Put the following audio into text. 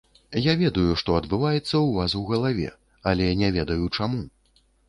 Я ведаю, што адбываецца ў вас у галаве, але не ведаю, чаму.